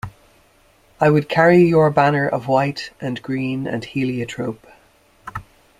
I would carry your banner of white and green and heliotrope.